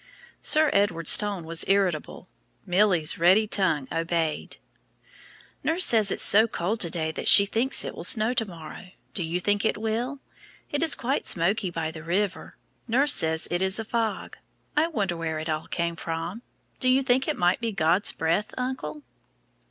Sir Edward's tone was irritable. Milly's ready tongue obeyed. "Nurse says it's so cold to day that she thinks it will snow. Do you think it will? It is quite smoky by the river; nurse says it is a fog. I wondered where it all came from. Do you think it might be God's breath, uncle?"